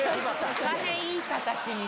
大変いい形に。